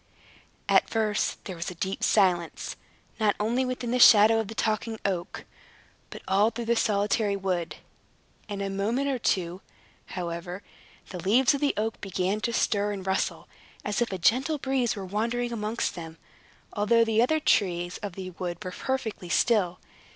At first there was a deep silence, not only within the shadow of the Talking Oak, but all through the solitary wood. In a moment or two, however, the leaves of the oak began to stir and rustle, as if a gentle breeze were wandering amongst them, although the other trees of the wood were perfectly still.